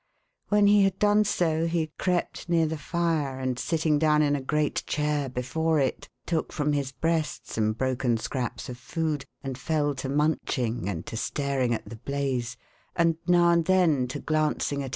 When he had done so, he crept near the fire, and, sitting down in a great chair l>efore it, took from his breast some broken scraps of food, and fell to munching, and to staring at the bla/e, and now and then to glancing at.